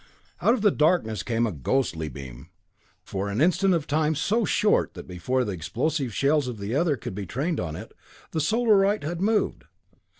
Out of the darkness came a ghostly beam, for an instant of time so short that before the explosive shells of the other could be trained on it, the Solarite had moved.